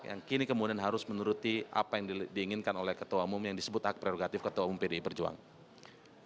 yang kini kemudian harus menuruti apa yang diinginkan oleh ketua umum yang disebut hak prerogatif ketua umum pdi perjuangan